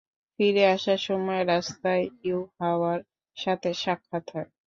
ফিরে আসার সময় রাস্তায় ইউহাওয়ার সাথে সাক্ষাৎ হয়।